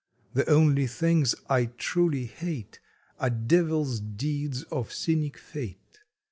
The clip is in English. The only things I truly hate Are devil s deeds of cynic fate.